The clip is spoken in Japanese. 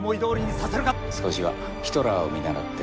少しはヒトラーを見習って。